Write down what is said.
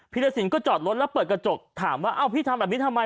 รสินก็จอดรถแล้วเปิดกระจกถามว่าเอ้าพี่ทำแบบนี้ทำไม